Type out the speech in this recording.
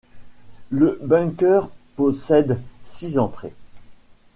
Le bunker possède six entrées.